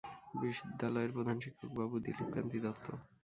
বিদ্যালয়ের প্রধান শিক্ষক বাবু দিলীপ কান্তি দত্ত।